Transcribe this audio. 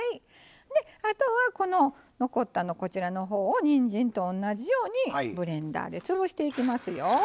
あとはこの残ったのこちらの方をにんじんと同じようにブレンダーで潰していきますよ。